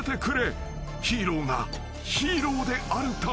［ヒーローがヒーローであるために］